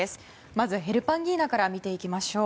まずヘルパンギーナから見ていきましょう。